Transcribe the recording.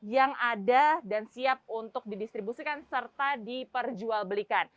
yang ada dan siap untuk didistribusikan serta diperjualbelikan